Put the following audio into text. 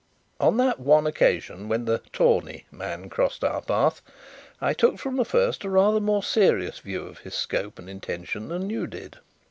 "On that one occasion when the 'tawny' man crossed our path, I took from the first a rather more serious view of his scope and intention than you did.